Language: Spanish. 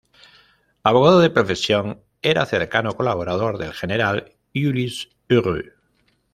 Abogado de profesión, era cercano colaborador del general Ulises Heureaux.